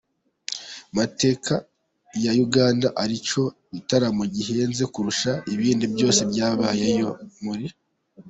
mateka ya Uganda ari cyo gitaramo gihenze kurusha ibindi byose byabayeho muri.